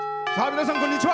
皆さん、こんにちは。